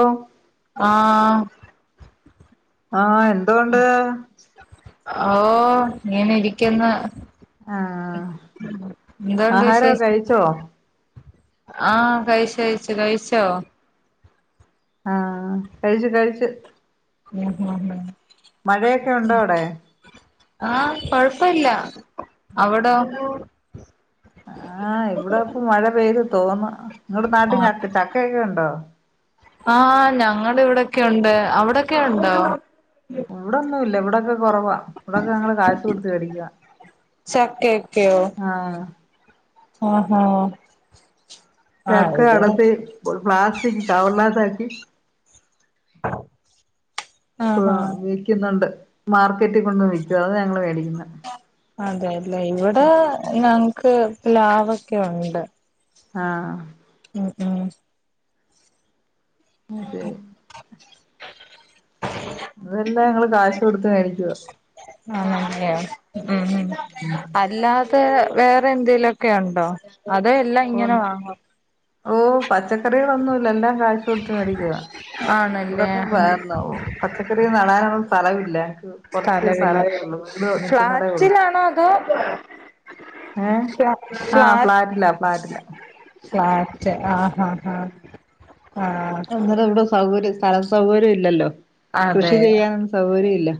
ഓ ആഹ് ആ എന്തൊണ്ട് ഓ ഇങ്ങനെരിക്ക്ന്ന് ആഹ് ന്തോണ്ട് വിശേ ആഹാരൊക്കെ കഴിച്ചോ ആ കഴിച്ചു കഴിച്ചു കഴിച്ചോ ആഹ് കഴിച്ചു കഴിച്ചു [inaudible] മഴയൊക്കെ ഉണ്ടോ അവടെ ആഹ് കൊഴപ്പല്ല അവടൊ ആ ഇവിടെപ്പ മഴ പെയ്തു തോന്ന് ങ്ങടെ നാട്ട് ചക്കയൊക്കെ ഉണ്ടോ ആ ഞങ്ങടെ ഇവിടെക്കൊണ്ട് അവിടൊക്കെ ണ്ടോ ഇവിടൊന്നും ഇല്ല ഇവിടൊക്കെ കൊറവാ ഇവിടൊക്കെ ഞങ്ങള് കാശ് കൊടുത്ത് വേടിക്കാ ആഹ് ആഹ ചക്ക കടത്തി പ്ലാസ്റ്റിക് കവർനാത്താക്കി ആഹാ ആഹ് വിക്കുന്നുണ്ട്, മാർക്കറ്റിൽ കൊണ്ട് വിൽക്കും അത ഞങ്ങൾ മേടിക്കുന്നെ അതെയല്ലേ ഇവിടെ ഞങ്ങക്ക് പ്ലാവൊക്കെ ഉണ്ട് ആഹ്, ഉം ഉം അതെ ഇതെല്ലാം ഞങ്ങള് കാശ് കൊടുത്ത് മേടിക്കുവ ആണ് ലെ ഉം ഉം അല്ലാതെ വേറെ എന്തേലൊക്കെ ഉണ്ടോ അത് എല്ലാം ഇങ്ങനെ വാങ്ങോ? ഓഹ് പച്ചക്കറികളൊന്നുംല്ല എല്ലാം കാശ് കൊടുത്ത് മേടിക്കുവ ആണല്ലേ ഇവിടൊക്കെ വേർനോ പച്ചക്കറി നടാനുള്ള സ്ഥലവില്ല കൊറച്ച് സ്ഥലവില്ല സ്ഥലമേ ഉള്ളു വീട് നിക്കുന്നതേ ഉള്ളു, ഫ്ലാറ്റിലാണോ അതോ ഏഹ് ഫ്ലാ ആഹ് ഫ്ളാറ്റിലാ ഫ്ളാറ്റില ഫ്ലാറ്റ് ആഹ് ആഹ് ആഹ് ആഹ് അന്നേരം ഇവിടെ സൗകര്യം സ്ഥലം സൗകര്യം ഇല്ലല്ലോ കൃഷി അതെ ചെയ്യാനൊന്നും സൗകര്യ ഇല്ല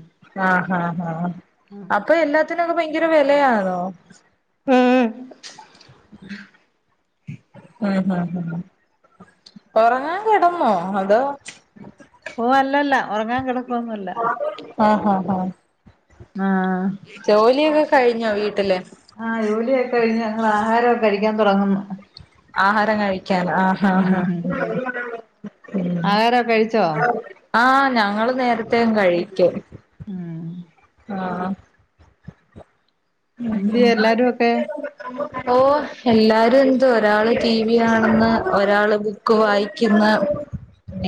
പ്പൊ എല്ലാത്തിനൊക്കെ ഭയങ്കര വിലയാണോ? ഉം ഉം ഹ് ഹ് ഒർങ്ങൻ കിടന്നോ അതോ? ഒഹ് അല്ലല്ല ഉറങ്ങാൻ കിടക്കൊന്നല്ല ആഹ് ആഹ് ആഹ് ആഹ് ആഹ് ജോലിയൊക്കെ കഴിഞ്ഞോ വീട്ടിലെ ആഹ് ജോലിയൊക്കെ കഴിഞ്ഞ് ഞങ്ങൾ ആഹാരം ഒക്കെ കഴിക്കാൻ തുടങ്ങുന്ന് ആഹാരം കഴിക്കൻ ആഹഹാ ആഹാരം ഒക്കെ കഴിച്ചോ ആഹ് ഞങ്ങള് നേരത്തേ അങ് കഴിക്കും ഉം ആഹ് എന്ത്യേ ഉം എല്ലാരും ഒക്കെ [inaudible] ഓ എല്ലാരും എന്ത് ഒരാള് ടി വി ആണെന്ന് ഒരാള് ക്ക് വായിക്കുന്ന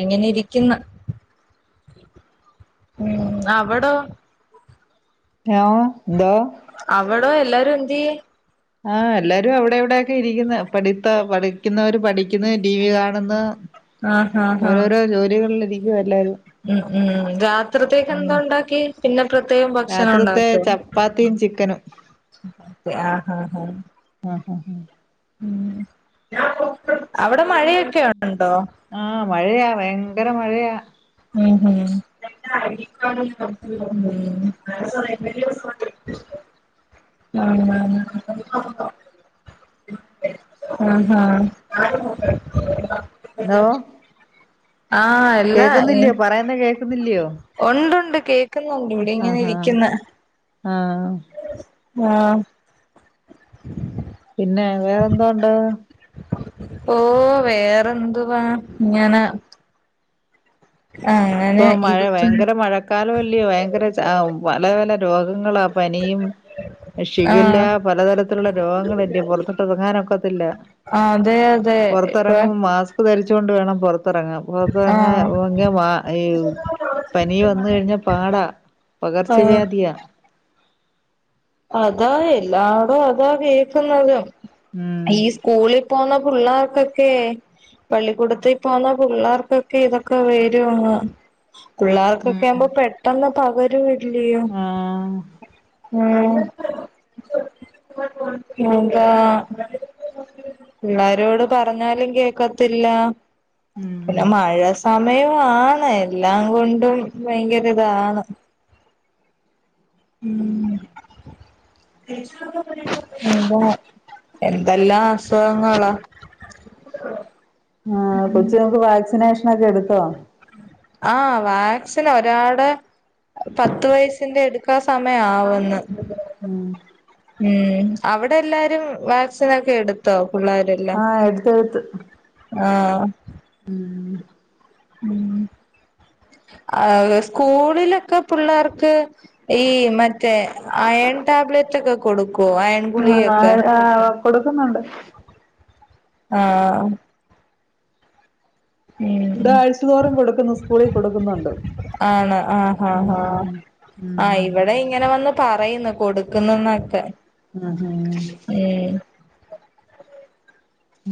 ഇങ്ങനെ ഇരിക്ന്നു ഉം അവടോ എവ ദ അവടോ എല്ലാരും എന്തിയെ ആഹ് എല്ലാരും അവിടെ എവിടെക്കെ ഇരിക്കുന്ന പഠിത്ത പഠിക്കുന്നവര് പഠിക്കുന്ന ടി വി കാണുന്ന് ആഹ് ആഹ് ആഹ് ഓരോരോ ജോലികളിലിരിക്കുവാ എല്ലരും ഉം ഉം രാത്രിതേക് എന്താ ഉണ്ടാക്കി പിന്നെ പ്രത്യേകം ഭക്ഷണം രാത്രിത്തെ ഉണ്ടാക്ക ചപ്പാത്തിയും ചിക്കനും ആഹ് ആ ഹ ഹാ അവിടെ മഴയൊക്കെ ഉണ്ടോ ആഹ് മഴയാ ഭയങ്കര മഴയാ ഉം ഹും [unintelligible] ആഹ് അഹ് ആഹ് ഹലോ ആഹ് എ കേക്കുന്നില്ലയോ പറയുന്ന കേൾക്കുന്നില്ലയോ ഉണ്ട് ഉണ്ട് കേക്ക് ആഹ് ഹഹാ ആഹ് ആഹ് പിന്നെ വേറെന്തോണ്ട് ഓഹ് വേറെന്തുവാ ങ്ങന ഇപ്പൊ മഴ ഇരിക്കുന്നു വയങ്കര മഴക്കാലോല്ലേ വയങ്കര ചാ പല പല രോഗങ്ങളാ പനിയും ഷിഗല്ല ആഹ് പലതരത്തിലുള്ള രോഗങ്ങളല്ലേ പൊറതോട്ട് ഇറങ്ങാനൊക്കത്തില്ല ആഹ് അതെ അതെ ഇപ്പൊ പുറത്തിറങ്ങുമ്പോ മാസ്ക് ധരിച്ചോണ്ട് വേണം പുറത്തിറങ്ങാൻ പുറത്തിറങ്ങാ ആഹ് [unintelligible] മാ ന് പനി വന്ന് കഴിഞ്ഞാ പാടാ ആഹ് പകർച്ചവ്യാധിയാ അതാ എല്ലാടും അതാ കേൾക്കുന്നത് ഉം ഈ സ്കൂളിൽ പോണ പിള്ളേർക്കൊക്കെ പള്ളിക്കൂടത്തി പോന്ന പിള്ളേർക്കൊക്കെ ക്കെ ഇതൊക്കെ വരു പിള്ളേർക്കൊക്കെ ഉം ആവുമ്പോ പെട്ടെന്ന് പകരും ഇല്ലയോ ആഹ് ഉം എന്താ പിള്ളാരോട് പറഞ്ഞാലും കേക്കത്തില്ല ഉം പിന്നെ മഴ സമയവാണ് എല്ലാം കൊണ്ടും ഭയങ്കരതാണ് ഉം ന്ത എന്തെല്ലാം അസുഖങ്ങളാ ആഹ് കൊച്ചിങ്ങൾക് വാക്സിനേഷൻ ഒക്കെ എടുത്തോ ആഹ് വാക്സിൻ ഒരാടേ പത്ത് വയസിന്റെ എടുക്കാൻ സമയം ആവന്ന് ഉം ഉം അവിടെ എല്ലാരും വാക്സിനൊക്കെ എടുത്തോ പിള്ളേർ ആഹ് എടുത്ത് എടുത്ത് ആഹ് ഉം ഉം ആഹ് സ്കൂളിലൊക്കെ പിള്ളേർക്ക് ഈ മറ്റേ അയൺ ടാബ്ലെറ്റ് ഒക്കെ കൊടുക്കു അയ ആഹ് ആഹ് കൊടുക്കുന്നുണ്ട് ആഹ് ഇവിടെ ഉം ആഴ്ചതോരം കൊടുക്കുന്നു സ്കൂളിൽ കൊടുക്കുന്നുണ്ട് ആണ് ആഹ് ഹാ ഹാ ഉം ആഹ് ഉം ഇവിടെ ഇങ്ങനെ വന്ന് പറയുന്നു കൊടുക്കുന്നുന്നൊക്കെ എഹ് ഏഹ് ഏഹ്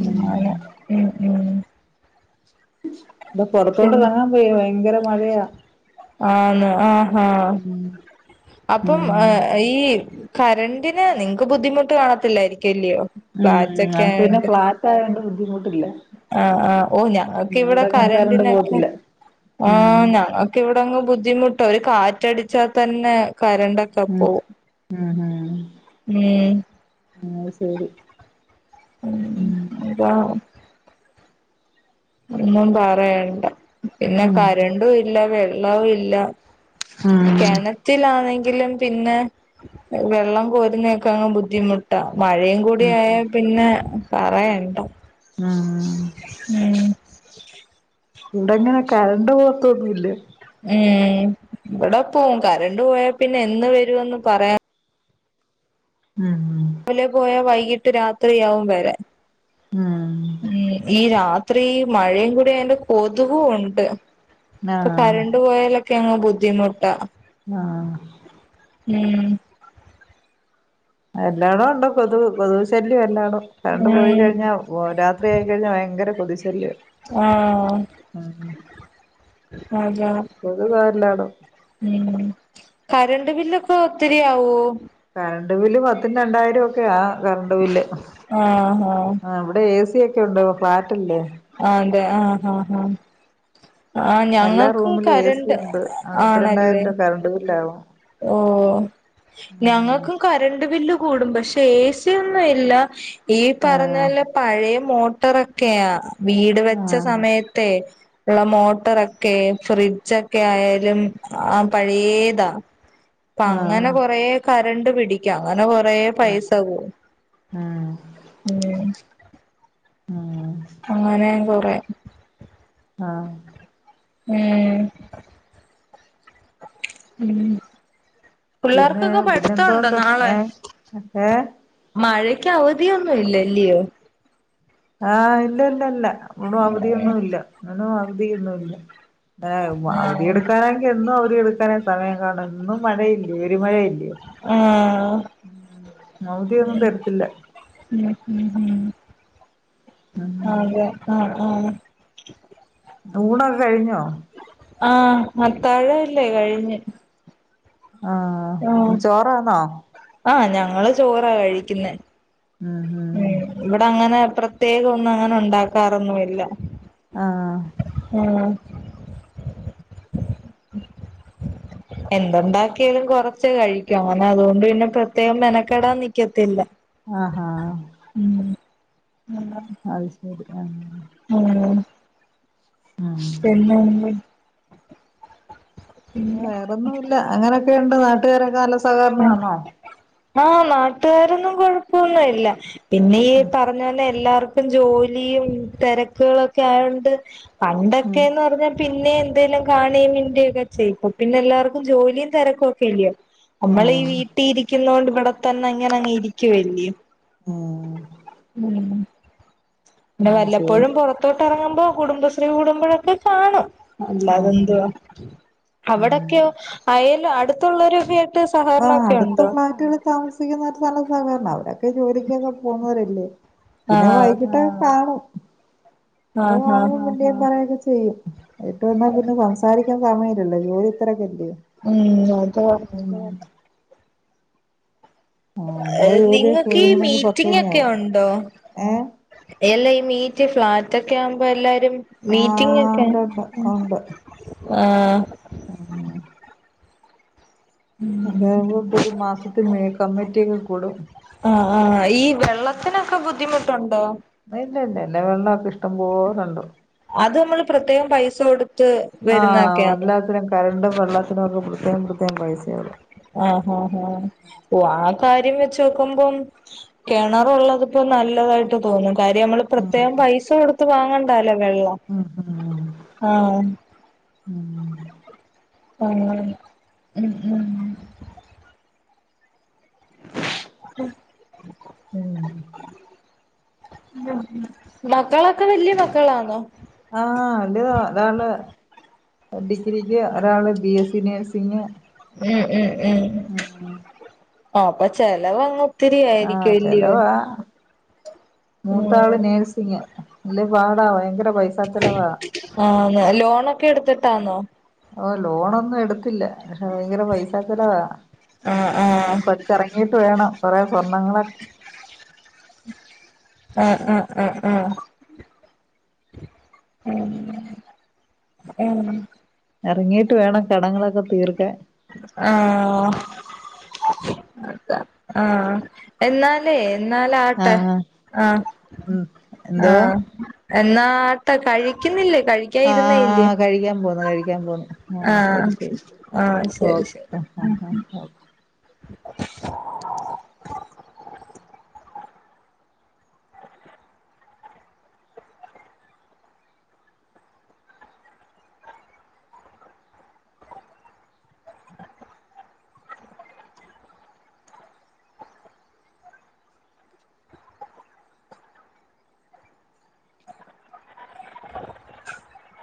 ഉം ഉം ഉം ഇപ്പ പുറത്തോട്ട് പിന്നെ ഇറങ്ങാൻ പേ ഭയങ്കര മഴയാ ആന്ന് ആഹ് ഹാ ഉം അപ്പം ഉം ഏഹ് ഈ കരന്റിന് നിങ്ങക്ക് ബുദ്ധിമുട്ട് കാണത്തില്ലായിരിക്കുല്ലയോ ഉം നമുക്ക് പിന്നെ ഫ്ളാറ്റ് ആയോണ്ട് ബുദ്ധിമുട്ടില്ല ആഹ് ആ ഓ ഞങ്ങൾക്ക് ഉം ഇവിടെ അങ്ങനെ കറണ്ട് കരണ്ടിനൊക്കെ പോകത്തില്ല ആ ഉം ഞങ്ങ ഇവിടെങ്ങ് ബുദ്ധിമുട്ട ഒരു കാറ്റടിച്ചാൽ തന്നെ കരണ്ടക്കെ ഉം ഉം ഉം ഉം ആയ്ശരി ഉം [unintelligible] ഒന്നും പറയണ്ട പിന്നെ ഉം കരണ്ടും ഇല്ല വെള്ളവും ഇല്ല ഉം കിണ ത്തിാണെങ്കിലും പിന്നെ വെള്ളം കോരുന്നൊക്കെ അങ് ബുദ്ധിമുട്ടാ മഴയും ഉം കൂടിയായ പിന്നെ പറയണ്ട ഉം ഉം ഇവിടെങ്ങനെ കരണ്ട് പോവത്തൊന്നുല്ല ഉം ഇവിടെ പോവും കരണ്ട് പോയാൽ പിന്നെ എന്ന് വരുന്ന് പറയാൻ ഉം രാവിലെ പോയാ വൈകിട്ട് രാത്രിയാവും വരാൻ ഉം ഉം ഈ രാത്രി മഴയും കൂടി അതിന്റെ കൊതുവ ഉണ്ട് ഇപ്പൊ ആഹ് കരണ്ട് പോയാലൊക്കെ അങ്ങ് ബുദ്ധിമുട്ടാ ആഹ് ഉം എല്ലാടോ ഉണ്ടോ കൊതുവ കൊതുവു ശല്യം എല്ലാടോ കറണ്ട് പോയി ഉം കഴിഞ്ഞാൽ രാത്രി ആയിക്കഴിഞ്ഞാൽ ഭയങ്കര കൊതിശല്യ ആഹ് ഉം അതാ കൊതുക എല്ലാടം ഉം കറണ്ട് ബില്ലൊക്കെ ഒത്തിരിയാവോ കറണ്ട് ബില് പത്തിന് രണ്ടായിരം ഒക്കെയ കറണ്ട് ബില് ആഹ് ആഹ് ആഹ് ഇവിടെ എ സി ഒക്കെ ഉണ്ട് ഫ്ളാറ്റ്ല്ലേ ആഹ് അതെ ആഹ് ആഹ് ആഹ് ആഹ് എല്ലാ ഞങ്ങൾക്കും റൂമിലും കരണ്ട് ആണല്ലേ കരണ്ട ബില്ലാവോ ഓഹ് ഞങ്ങക്ക് കറണ്ട് ബില്ല് കൂടും പക്ഷെ എ സി ഒന്നും ഇല്ല ഈ പറഞ്ഞതല്ല പഴയ മോട്ടറൊക്കെയാ വീട് വെച്ച ആഹ് സമയത്ത ഉള്ള മോട്ടറൊക്കെ ഫ്രിഡ്ജൊക്കെ ആയാലും ആ പഴയതാ പ്പ ആഹ് അങ്ങന ആഹ് കൊറെ കരണ്ട് പിടിക്കാം അങ്ങന കൊറെ ഉം പൈസ പോവും ഉം ഉം അങ്ങനേം കൊറേ ആഹ് ങേഹ് ഉം പിന്നെ പിള്ളേർക്കൊക്കെ പഠിത്തമുണ്ടോ പിന്നെന്തോണ്ട് ഏഹ് ഏഹ് മഴക്കവധിയൊന്നും ഇല്ലല്ലിയോ ആഹ് ഇല്ല ഇല്ല ഇല്ല [unintelligible] അവധിയൊന്നു ഇല്ല [unintelligible] അവധിയൊന്നു ഇല്ല ആഹ് അവധി ആഹ് എടുക്കാനെങ്കി എന്നും അവധി എടുക്കാനെ സമയം കാണു എന്നും മഴയല്ലെ ഇടി മഴയല്ലെ ആഹ് ഉം അവധിയൊന്നും തെര്ത്തില്ല ഉം [unintelligible] ഊണഓക്കേ കഴിഞ്ഞോ? ആഹ് അത്താഴല്ലെ കഴിഞ്ഞ് ആഹ് അപ്പം ചോറാന്നോ ആഹ് ഞങ്ങള് ചോറാ കഴിക്കുന്നെ ആഹ് ആഹ് ഉം ഇവട അങ്ങനെ പ്രത്യേകം ഒന്നും അങ്ങന ഉണ്ടാക്കാറൊന്നുമില്ല ആഹ് ആഹ് എന്തുണ്ടാക്കിയെലും കൊറച്ചെ കഴിക്കു അങ്ങന അതുകൊണ്ട് പിന്നെ പ്രത്യേകം മെനക്കെടാൻ നിക്കത്തില്ല ആഹ് ആഹ് ഉം [inaudible] അത് ശരി ആഹ് ഉം ആഹ് [inaudible] പിന്നെന്ത്പറ്റി പിന്നെ വേറെന്നൂല്ല അങ്ങനെക്കെണ്ട് നാട്ടുകാരൊക്ക നല്ല സഹകരണം എന്ത് ആണോ ആഹ് നാട്ടുകാരൊന്നും കൊഴപ്പൊന്നൂല്ല പിന്നെ ഈ ഉം പറഞ്ഞ തന്ന എല്ലാർക്കും ഇപ്പം ജോലിയും തെരക്കുകളൊക്ക ആയൊണ്ട് ഉം പണ്ടൊക്കെന്ന് പറഞ്ഞാൽ പിന്നെ എന്തെലും കാണെയും മിണ്ടിയൊക്ക ചെയ്യും ഇപ്പൊ പിന്നെ എല്ലാർക്കും ജോലിയും തെരക്കു ഒക്കെഇല്ലേ നമ്മള് ഈ ഉം വീട്ടീ ഇരിക്കുന്നോണ്ട് ഇവട തന്ന ഇങ്ങനെങ്ങ് ഇരിക്കുവല്ലെ ഉം ഉം പിന്ന അത് ശരി വല്ലപ്പോഴും പൊറത്- പുറത്ത്എറങ്ങുമ്പോ കുടുംബശ്രീ കൂടുമ്പഴൊക്കെ കാണും ആഹ് അല്ലാതെന്തുവ ഉം അവിടെക്കെയോ അയല് അടുത്തൊള്ളൊരുവേ ട്ട് സഹകരണൊക്കെണ്ടോ താമസിക്കുന്നവര് നല്ല സഹകരണ അവരൊക്കെ ജോലിക്കൊക്കെ പോന്നോരല്ലെ പിന്നെ ആഹ് വൈകിട്ട് ക്കെ കാണും പിന്നെ ആഹ് ആഹ് കാണുമ്പം മിണ്ടിയേം പറയൊക്കെ ചെയ്യും അട്ത്ത് വന്നാ പിന്നെ സംസാരി ഇരിക്കാൻ സമയ്ല്ലല്ലോ ജോലി തിരക്കെത്തി ഉം അതാ [unintelligible] [inaudible] ആഹ് അ നമ്മളെ ജോലിയൊക്കെ നിങ്ങക്ക് ഈ ഒതുങ്ങണെങ്കി പത്ത് മീറ്റിംങേക്കെഉ മണിയാവും ണ്ടോ ഏഹ് എല്ലാ ഈ മീറ്റ് ഫ്ലാറ്റ് ഒക്കെ ആവുമ്പ എല്ലാരും ആഹ് മീറ്റിങ്ങെക്കെ ഉണ്ട് ഉണ്ട് ഉണ്ട് ആഹ് [unintelligible] അതാ ഉമ്പോൾ ഇപ്പ ഒര് മാസത്തി മെ കമ്മിറ്റിക്കെ കൂടും ആഹ് ആഹ് ഈ വെള്ളത്തിനൊക്ക ബുദ്ധിമുട്ടൊണ്ടോ ഇല്ല ല്ല ല്ല വെള്ളമൊക്കെ ഇഷ്ടം പോലണ്ട് അത് മ്മൾ പ്രത്യേകം പൈസ കൊടുത്ത് വരുന്നതൊക്കെയാണ് കരണ്ടും വെള്ളത്തിനവർക്ക് പ്രത്യേം പ്രത്യകം പൈസയള്ളൂ ആഹഹാ ആാ ഓ ആ കാര്യം വെച്ച് നോക്കുമ്പോം കിണറുള്ളതിക്ക് നല്ലതായിട്ട് തോന്നും കാര്യം നമ്മൾ പ്രത്യേകം ഉം പൈസ കൊടുത്ത് വാങ്ങണ്ടല്ലോ വെള്ളം ഉം ഹ [inaudible] ആഹ ഉം ഉം ഉം ഉം ഉം മക്കളൊക്കെ വല്യ മക്കളാണോ ആഹ് വല്ത ഒരാൾ ഡിഗ്രിക്ക് ഒരാള് ബി എസ് സി നേഴ്സിങ് ഉം ഉം ഉം ഉ ആപ്പൊ ചെിലവ്ങ്ങ ഒത്തിരി ആഹ് ആയിരിക്കും ഇല്യോ ചെലവാ മൂത്താള് നേഴസിങ്ങ ഇല്ലേ പാടാ ഭയങ്കര പൈസാ ചെലവാ ആഹ് ലോണൊക്കെ എടുത്തിട്ടാന്നോ ഓ ലോണൊന്നും എടുത്തില്ല പക്ഷെ ഭയങ്കര പൈസ ചലവാ ആ ആ അത്പ ഇറങ്ങിയിട്ട് വേണം കുറെേ സ്വർണ്ണങ്ങളൊക്കെ അഹ് അഹ് അഹ് ആഹ് ഉം ഉം ഇറങ്ങീട്ട് വേണം കടങ്ങളൊക്കെ തീർക്കാൻ ആഹ് അത ആഹ് എന്നാലേ എന്നാല ആട്ടെ ആഹ് അ ഉം എന്തോ ആഹ് എന്നാട്ടാ കഴിക്കുന്നില്ലേ കഴി ആഹ് കഴിക്കാൻ പോന്നു കഴിക്കാൻ പോന്നു ആ ആഹ് ശരി ശരി ശരി ആ ശരി ഓക്കെ ശരി ഉം ആഹ് ആഹ് [unintelligible] [unintelligible]